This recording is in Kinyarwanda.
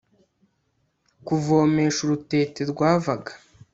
kuvomesha urutete rwavaga